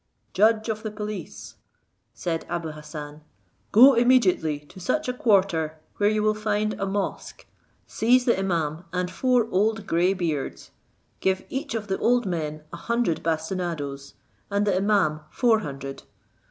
"Judge of the police," said Abou Hassan, "go immediately to such a quarter, where you will find a mosque, seize the imaum and four old grey beards, give each of the old men a hundred bastinadoes, and the imaum four hundred.